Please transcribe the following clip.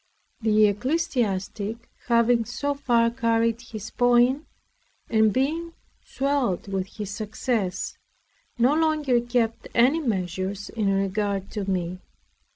The ecclesiastic, having so far carried his point, and being swelled with his success, no longer kept any measures in regard to me.